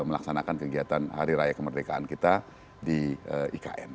melaksanakan kegiatan hari raya kemerdekaan kita di ikn